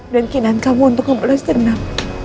dan keinginan kamu untuk kembali ke dendam